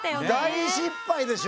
大失敗でしょ？